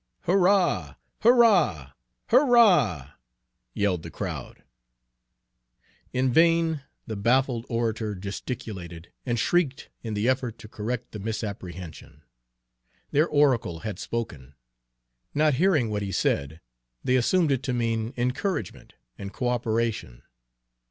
"Hurrah, hurrah, hurrah!" yelled the crowd. In vain the baffled orator gesticulated and shrieked in the effort to correct the misapprehension. Their oracle had spoken; not hearing what he said, they assumed it to mean encouragement and coöperation.